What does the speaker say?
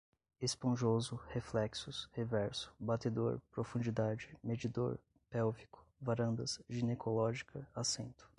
esponjoso, reflexos, reverso, batedor, profundidade, medidor, pélvico, varandas, ginecológica, assento